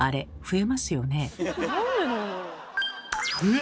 え？